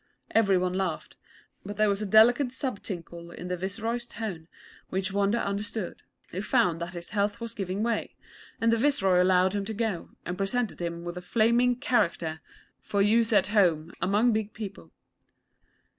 Every one laughed; but there was a delicate sub tinkle in the Viceroy's tone which Wonder understood. He found that his health was giving way; and the Viceroy allowed him to go, and presented him with a flaming 'character' for use at Home among big people.